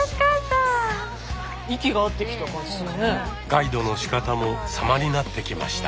ガイドのしかたも様になってきました。